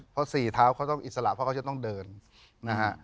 เพราะสี่เท้าเขาต้องอิสระเพราะเขาจะต้องเดินนะฮะ